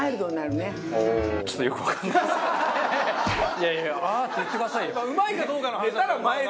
いやいや「ああー！」って言ってくださいよ。